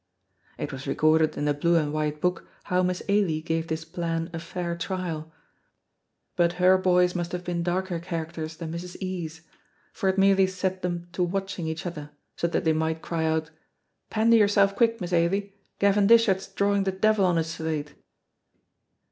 It was recorded in the blue and white book how Miss Ailie gave this plan a fair trial, but her boys must have been darker characters than Mrs. E 's, for it merely set them to watching each other, so that they might cry out, "Pandy yourself quick, Miss Ailie; Gavin Dishart's drawing the devil on his slate."